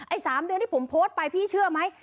๓เดือนที่ผมโพสต์ไปพี่เชื่อไหม